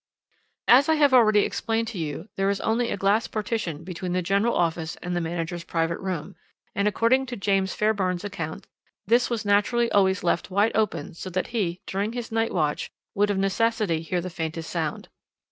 "As I have already explained to you, there is only a glass partition between the general office and the manager's private room, and, according to James Fairbairn's account, this was naturally always left wide open so that he, during his night watch, would of necessity hear the faintest sound.